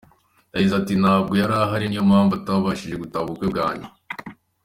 Yagize ati “Ntabwo yari ahari niyo mpamvu atabashije gutaha ubukwe bwanjye.